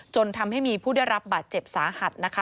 จนทำให้มีผู้ได้รับบาดเจ็บสาหัสนะคะ